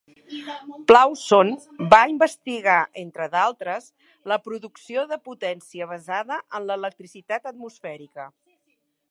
Plauson va investigar, entre d'altres, la producció de potència basada en l'electricitat atmosfèrica.